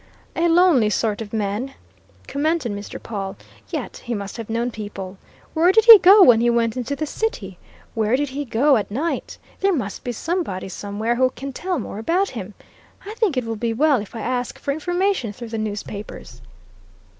"A lonely sort of man!" commented Mr. Pawle. "Yet he must have known people. Where did he go when he went into the City? Where did he go at night? There must be somebody somewhere who can tell more about him. I think it will be well if I ask for information through the newspapers."